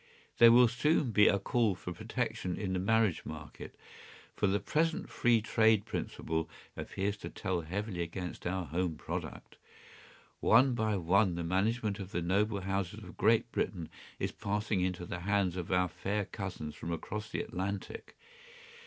‘There will soon be a call for protection in the marriage market, for the present free trade principle appears to tell heavily against our home product. One by one the management of the noble houses of Great Britain is passing into the hands of our fair cousins from across the Atlantic.